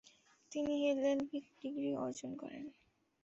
তিনি LLB degree অর্জন করেন।